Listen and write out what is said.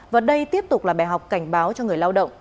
và đây tiếp tục là bài học cảnh báo cho người lao động